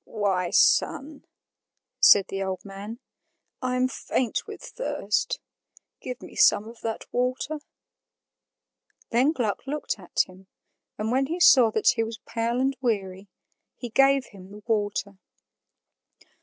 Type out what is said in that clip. "Why son," said the old man, "I am faint with thirst; give me some of that water." Then Gluck looked at him, and when he saw that he was pale and weary, he gave him the water.